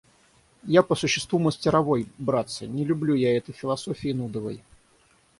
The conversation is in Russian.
Я по существу мастеровой, братцы, не люблю я этой философии нудовой.